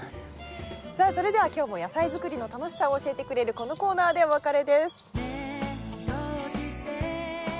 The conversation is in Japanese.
さあそれでは今日も野菜作りの楽しさを教えてくれるこのコーナーでお別れです。